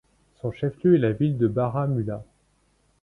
Son chef-lieu est la ville de Baramulla.